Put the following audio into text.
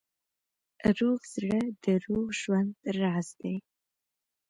روغ زړه د روغ ژوند راز دی.